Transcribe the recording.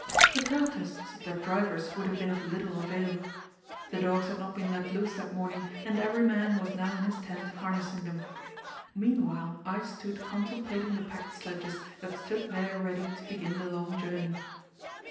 The protests of their drivers would have been of little avail. The dogs had not been let loose that morning, and every man was now in his tent harnessing them. Meanwhile I stood contemplating the packed sledges that stood there ready to begin the long journey.